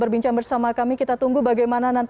berbincang bersama kami kita tunggu bagaimana nanti